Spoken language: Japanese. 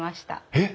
えっ！